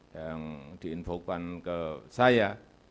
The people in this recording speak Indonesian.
yang diinfokan ke saya